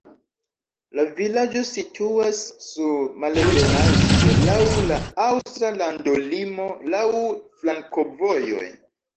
La vilaĝo situas sur malebenaĵo, laŭ la aŭstra landolimo, laŭ flankovojoj.